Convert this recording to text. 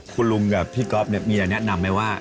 คุณลุงกับพี่ก๊อฟเนี่ยมีอะไรแนะนำไหมว่า